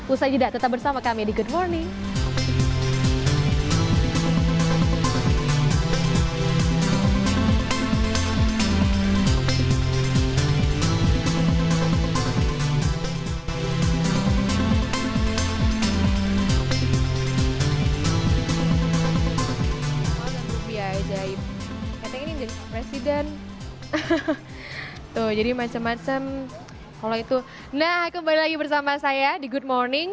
usha jidah tetap bersama kami di good morning